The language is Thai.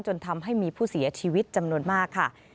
จนทำให้มีผู้เสียชีวิตจำนวนมากค่ะ